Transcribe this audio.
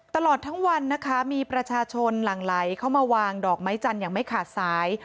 ตลอดทั้งวันนะคะมีประชาชนหลั่งไหลเข้ามาวางดอกไม้จันทร์อย่างไม่ขาดสาย